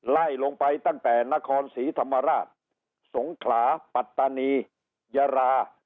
ไล่ลงไปตั้งแต่นครศรีธรรมราชสงขลาปัตตานียารา